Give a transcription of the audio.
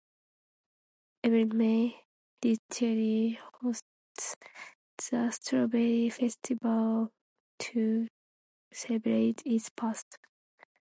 Every May, Ridgely hosts the Strawberry Festival to celebrate its past.